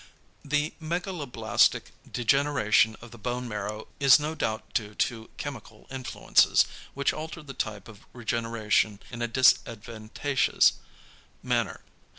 The megaloblastic degeneration of the bone marrow is no doubt due to chemical influences, which alter the type of regeneration in a disadvantageous manner.